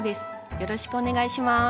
よろしくお願いします。